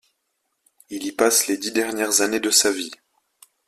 Il y passe les dix dernières années de sa vie.